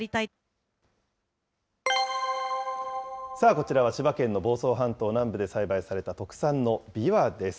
こちらは千葉県の房総半島南部で栽培された特産のびわです。